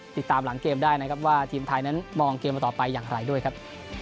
ติดตามหลังเกมได้นะครับว่าทีมไทยนั้นมองเกมต่อไปอย่างไรด้วยครับ